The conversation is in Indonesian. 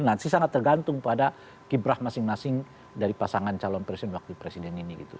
nah sih sangat tergantung pada kibrah masing masing dari pasangan calon presiden wakil presiden ini gitu